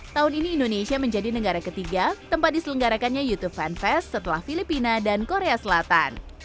tahun ini indonesia menjadi negara ketiga tempat diselenggarakannya youtube fanfest setelah filipina dan korea selatan